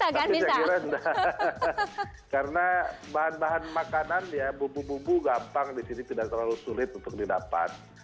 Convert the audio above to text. oke jadi kalau saya kira enggak maka saya kira enggak karena bahan bahan makanan ya bubu bubu gampang di sini tidak terlalu sulit untuk didapat